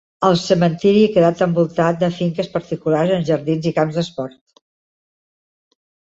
El cementiri ha quedat envoltat de finques particulars amb jardins i camps d'esport.